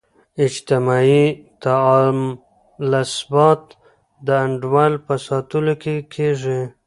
اجتماعي تعاملثبات د انډول په ساتلو کې کیږي.